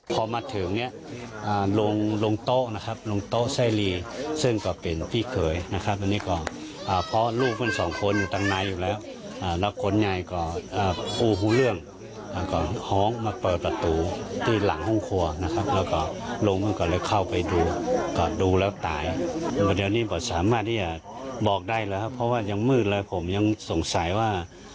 พอทำงานที่ซ้ายเกิดมากเกิดแล้วบอกได้เลยครับเพราะว่ายังมืดเลยผมยังสงสัยว่า